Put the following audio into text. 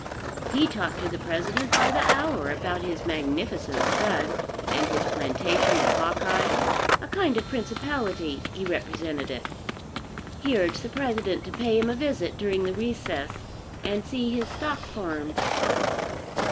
He talked to the President by the hour about his magnificent stud, and his plantation at Hawkeye, a kind of principality he represented it. He urged the President to pay him a visit during the recess, and see his stock farm.